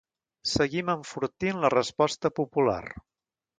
Seguim enfortint la resposta popular.